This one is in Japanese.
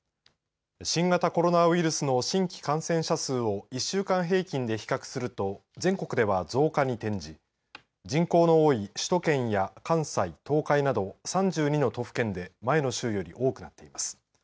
新型コロナウイルスの新規感染者数を１週間平均で比較すると全国では増加に転じ人口の多い首都圏や関西東海など３２の都府県で前の週より多くなっています。